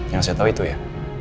yang saya tahu itu ya